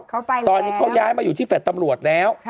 เขาไปแล้วตอนนี้เขาย้ายมาอยู่ที่แฟลต์ตำรวจแล้ว